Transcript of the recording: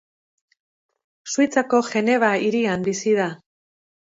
Suitzako Geneva hirian bizi da.